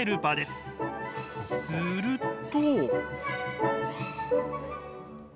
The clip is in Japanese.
すると。